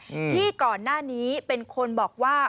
อืมที่ก่อนหน้านี้เป็นคนบอกว่า